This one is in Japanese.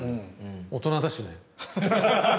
大人だしね。